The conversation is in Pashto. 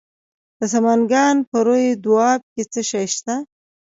د سمنګان په روی دو اب کې څه شی شته؟